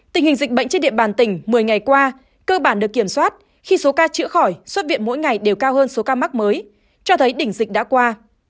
tình hình dịch bệnh trên địa bàn tỉnh một mươi ngày qua cơ bản được kiểm soát khi số ca chữa khỏi xuất viện mỗi ngày đều cao hơn số ca mắc mới cho thấy đỉnh dịch đã qua